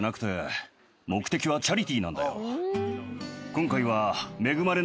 今回は。